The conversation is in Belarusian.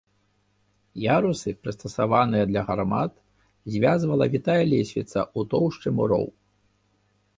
Ярусы, прыстасаваныя для гармат, звязвала вітая лесвіца ў тоўшчы муроў.